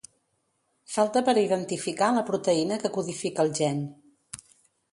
Falta per identificar la proteïna que codifica el gen.